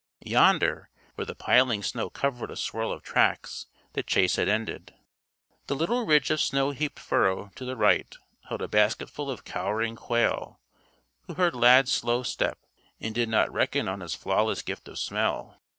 Yonder, where the piling snow covered a swirl of tracks, the chase had ended. The little ridge of snow heaped furrow, to the right, held a basketful of cowering quail who heard Lad's slow step and did not reckon on his flawless gift of smell.